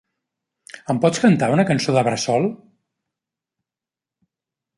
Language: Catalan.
Em pots cantat una cançó de bressol?